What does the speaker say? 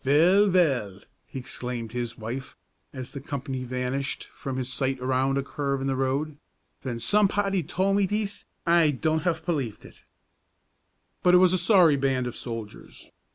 "Vell! vell!" he exclaimed to his wife, as the company vanished from his sight around a curve in the road, "ven somepody told me dees I don't haf pelieved it." But it was a sorry band of soldiers.